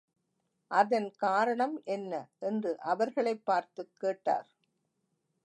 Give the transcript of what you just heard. அதன் காரணம் என்ன? என்று அவர்களைப் பார்த்துக் கேட்டார்.